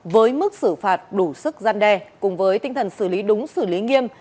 với mức xử phạt đủ sức gian đe cùng với tinh thần xử lý đúng xử lý nghiêm